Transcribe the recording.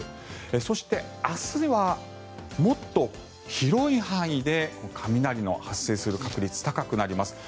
そして明日はもっと広い範囲で雷の発生する確率高くなります。